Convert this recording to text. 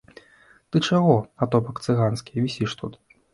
Ты чаго, атопак цыганскі, вісіш тут?